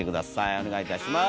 お願いいたします。